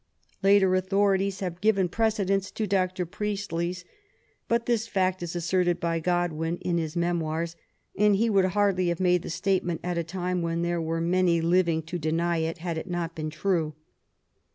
Later authorities have given precedence to Dr. Priestley's, but this fact is asserted by Godwin in his Memoirs, and he would hardly have made the statement at a time when there were many living to deny it, had it not been true.